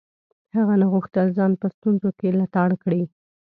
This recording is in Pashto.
هغه نه غوښتل ځان په ستونزو کې لتاړ کړي.